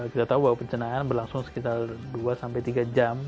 kita tahu bahwa pencenaan berlangsung sekitar dua sampai tiga jam